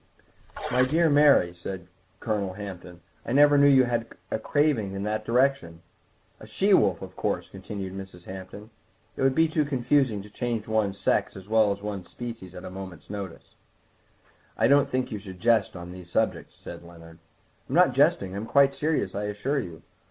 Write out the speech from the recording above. "My dear Mary," said Colonel Hampton, "I never knew you had a craving in that direction." "A she wolf, of course," continued Mrs. Hampton; "it would be too confusing to change one's sex as well as one's species at a moment's notice." "I don't think one should jest on these subjects," said Leonard. "I'm not jesting, I'm quite serious, I assure you.